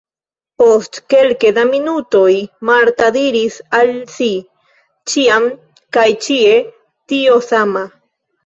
Post kelke da minutoj Marta diris al si: ĉiam kaj ĉie tio sama.